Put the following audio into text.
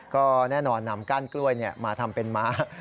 ก็แน่นอนนำก้านกล้วยมาทำเป็นม้า